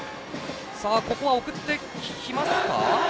ここは送ってきますか。